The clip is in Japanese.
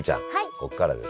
ここからはですね